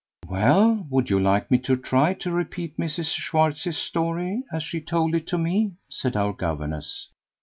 "Well, would you like me to try and repeat Mrs. Schwartz's story as she has told it to me?" said our governess.